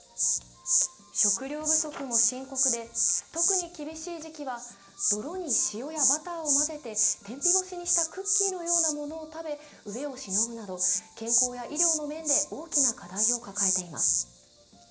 食糧不足も深刻で、特に厳しい時期は泥に塩やバターを混ぜて天日干しにしたクッキーのようなものを食べ、飢えをしのぐなど健康や医療の面で大きな課題を抱えています。